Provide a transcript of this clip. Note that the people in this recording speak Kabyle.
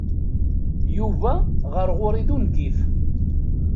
Yuba ɣer ɣur-i d ungif.